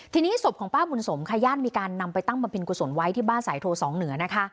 ทีนี้ศพของป้าบุญศมขย้านมีการนำไปตั้งมะพินกุศลไว้ที่บ้านสายโทรสองเหนือ